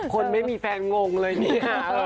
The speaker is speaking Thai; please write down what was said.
คนไม่มีแฟนงงเลยนี่ค่ะ